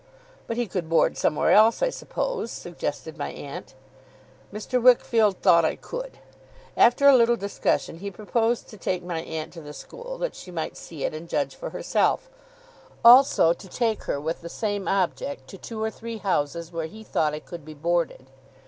'But he could board somewhere else, I suppose?' suggested my aunt. Mr. Wickfield thought I could. After a little discussion, he proposed to take my aunt to the school, that she might see it and judge for herself; also, to take her, with the same object, to two or three houses where he thought I could be boarded.